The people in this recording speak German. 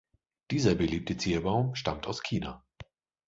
Dieser beliebte Zierbaum stammt aus China.